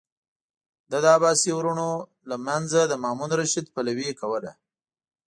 ده د عباسي ورونو له منځه د مامون الرشید پلوي کوله.